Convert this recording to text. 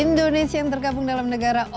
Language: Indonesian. indonesia yang tergabung dalam negara